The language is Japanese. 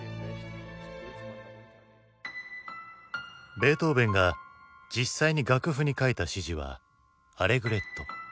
ベートーヴェンが実際に楽譜に書いた指示はアレグレット。